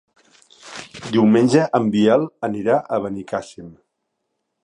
Diumenge en Biel anirà a Benicàssim.